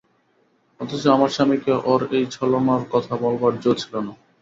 অথচ আমার স্বামীকে ওঁর এই ছলনার কথা বলবার জো ছিল না।